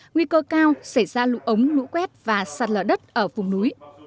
nguy cơ cao xảy ra lũ ống lũ quét và sạt lở đất ở vùng núi